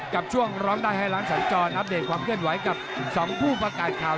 กับช่วงร้องได้ให้ล้านสัญจรอัปเดตความเคลื่อนไหวกับ๒ผู้ประกาศข่าว